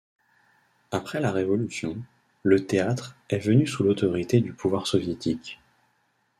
Après la Révolution, le théâtre est venu sous l’autorité du pouvoir soviétique.